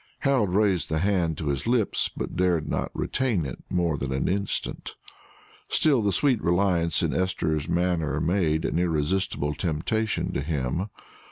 Harold raised the hand to his lips, but dared not retain it more than an instant. Still the sweet reliance in Esther's manner made an irresistible temptation to him.